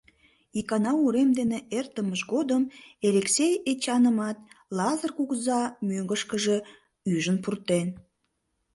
Икана урем дене эртымыж годым Элексей Эчанымат Лазыр кугыза мӧҥгышкыжӧ ӱжын пуртен.